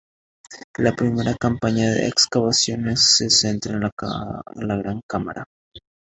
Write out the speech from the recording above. La primera campaña de excavaciones se centró en la gran cámara.